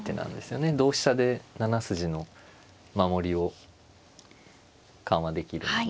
同飛車で７筋の守りを緩和できるので。